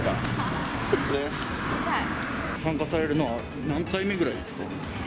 参加されるのは、何回目くらいですか？